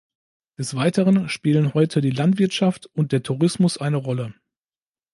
Des Weiteren spielen heute die Landwirtschaft und der Tourismus eine Rolle.